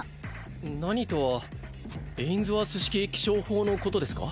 何とはエインズワース式起床法のことですか？